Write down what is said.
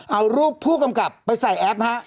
เอารูปผู้กำกับไปใส่แอปฮะ